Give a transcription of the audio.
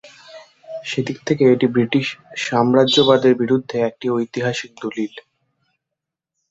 সেদিক থেকে এটি ব্রিটিশ সাম্রাজ্যবাদের বিরুদ্ধে একটি ঐতিহাসিক দলিল।